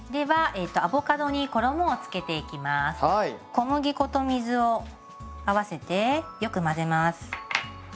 小麦粉と水を合わせてよく混ぜます。